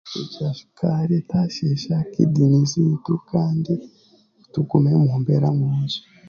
Kugira shukaari etaashiisha kidiniizi zaitu kandi tugume omu mbeera nungi